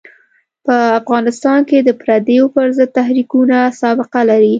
په افغانستان کې د پرديو پر ضد تحریکونه سابقه لري.